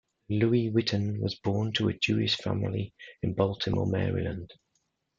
Louis Witten was born to a Jewish family in Baltimore, Maryland.